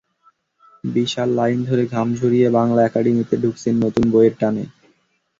বিশাল line ধরে ঘাম ঝরিয়ে বাংলা একাডেমিতে ঢুকছেন নতুন বইয়ের টানে।